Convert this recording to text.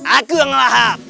aku yang lahap